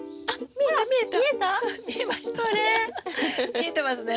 見えてますね。